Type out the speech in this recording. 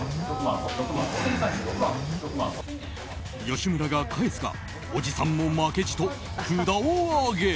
吉村が返すがおじさんも負けじと札を上げる。